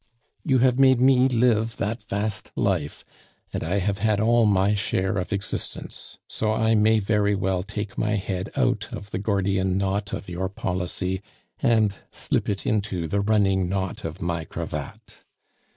You have made me live that vast life, and I have had all my share of existence; so I may very well take my head out of the Gordian knot of your policy and slip it into the running knot of my cravat.